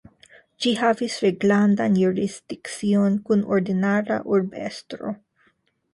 Ĝi havis reglandan jurisdikcion kun ordinara urbestro.